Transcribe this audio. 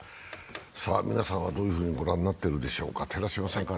皆さんはどういうふうに御覧になってるんでしょうか。